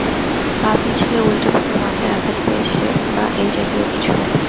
পা পিছলে উন্টে পড়ে মাথায় আঘাত পেয়েছে বা এইজাতীয় কিছু।